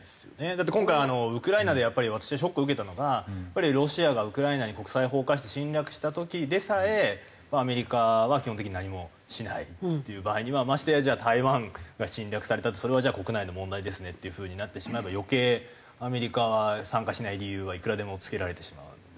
だって今回ウクライナで私がショックを受けたのがロシアがウクライナに国際法を犯して侵略した時でさえアメリカは基本的に何もしないっていう場合には。ましてやじゃあ台湾が侵略されたってそれはじゃあ国内の問題ですねっていう風になってしまえば余計アメリカは参加しない理由はいくらでもつけられてしまうので。